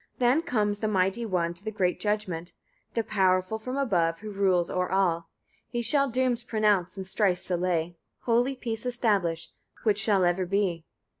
Then comes the mighty one to the great judgment, the powerful from above, who rules o'er all. He shall dooms pronounce, and strifes allay, holy peace establish, which shall ever be. 65.